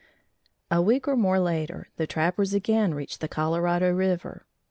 A week or more later, the trappers again reached the Colorado River.